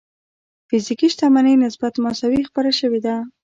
فزيکي شتمنۍ نسبت مساوي خپره شوې ده.